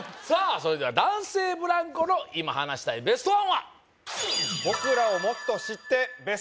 それでは男性ブランコの今話したいベストワンは？